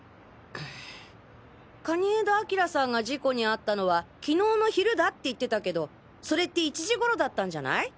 ん蟹江田明さんが事故にあったのは昨日の昼だって言ってたけどそれって１時頃だったんじゃない？